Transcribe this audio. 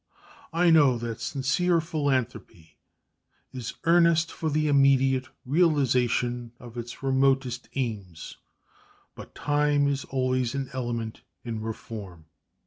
I know that sincere philanthropy is earnest for the immediate realization of its remotest aims; but time is always an element in reform.